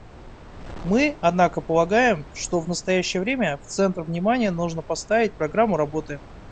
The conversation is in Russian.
Мы, однако, полагаем, что в настоящее время в центр внимания нужно поставить программу работы.